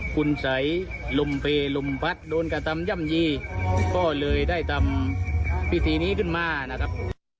คุณสัยลุมเพลลมพัดโดนกระทำย่ำยีก็เลยได้ทำพิธีนี้ขึ้นมานะครับ